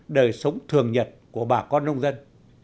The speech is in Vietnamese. đời sống thường nhật của bà con nông dân